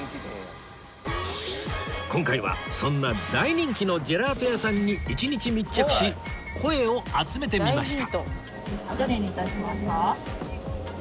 今回はそんな大人気のジェラート屋さんに一日密着し声を集めてみました